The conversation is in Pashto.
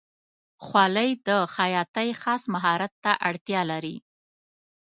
خولۍ د خیاطۍ خاص مهارت ته اړتیا لري.